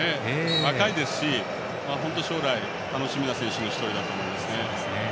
若いですし、将来楽しみな選手の１人だと思いますね。